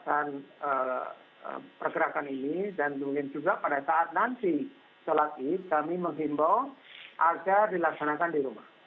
dan pergerakan ini dan mungkin juga pada saat nanti sholat id kami menghimbau agar dilaksanakan di rumah